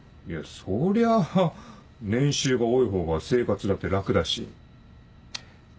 そりゃあ年収が多いほうが生活だって楽だし。